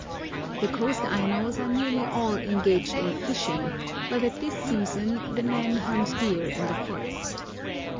The coast Ainos are nearly all engaged in fishing, but at this season the men hunt deer in the forests.